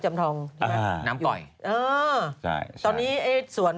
จักรพัด